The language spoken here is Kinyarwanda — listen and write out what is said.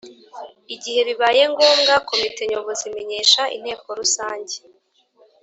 igihe bibaye ngombwa komite nyobozi imenyesha inteko rusange